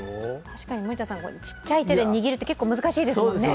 確かにちっちゃい手で握るって結構難しいんですよね。